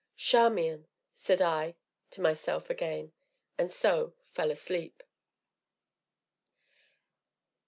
"Charmian!" said I to myself again, and so, fell asleep.